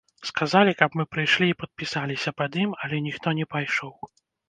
Сказалі, каб мы прыйшлі і падпісаліся пад ім, але ніхто не пайшоў.